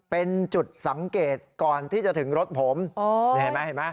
เป็นจุดสังเกตก่อนที่จะถึงรถผมเห็นไหม